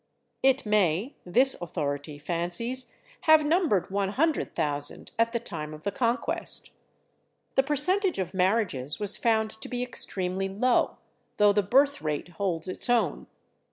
It may, this authority fancies, have numbered 100,000 at the time of the Conquest. The percentage of marriages was found to be ex tremely low, though the birth rate holds its own.